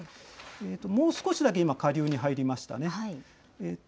もう少しだけ今、下流に入りましたね。